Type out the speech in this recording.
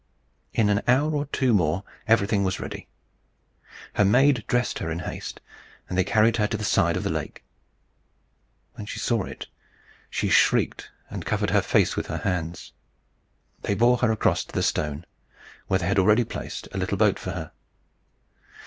In an hour or two more everything was ready. Her maid dressed her in haste, and they carried her to the side of the lake. When she saw it she shrieked, and covered her face with her hands. They bore her across to the stone, where they had already placed a little boat for her.